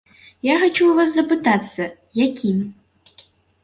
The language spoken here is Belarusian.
Я хачу ў вас запытацца, якім?